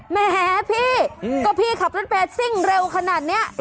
แหมพี่ก็พี่ขับรถเมย์ซิ่งเร็วขนาดนี้